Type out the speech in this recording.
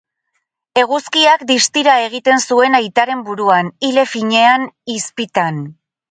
Eguzkiak distira egiten zuen aitaren buruan, ile finean, izpitan.